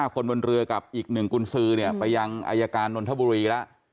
คนบนเรือกับอีก๑กุญสือเนี่ยไปยังอายการนนทบุรีแล้ว